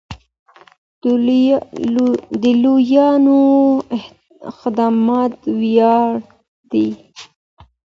د لويانو خدمت وياړ دی.